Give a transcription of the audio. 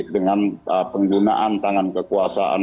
dengan penggunaan tangan kekuasaan